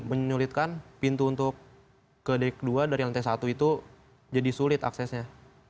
menyulitkan pintu untuk ke dek dua dari lantai satu itu jadi sulit aksesnya